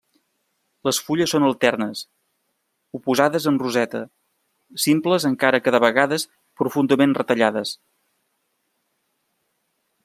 Les fulles són alternes, oposades o en roseta, simples encara que de vegades profundament retallades.